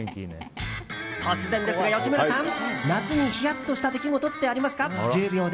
突然ですが吉村さん夏にヒヤッとした出来事ってありますか？